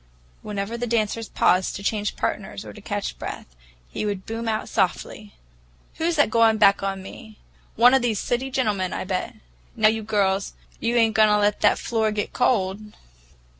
Whenever the dancers paused to change partners or to catch breath, he would boom out softly, "Who's that goin' back on me? One of these city gentlemen, I bet! Now, you girls, you ain't goin' to let that floor get cold?"